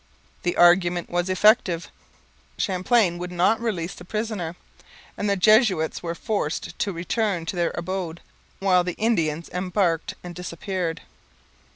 The argument was effective; Champlain would not release the prisoner; and the Jesuits were forced to return to their abode, while the Indians embarked and disappeared.